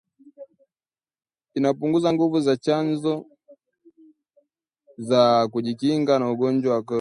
inapunguza nguvu za chanjo za kujikinga na ugonjwa wa korona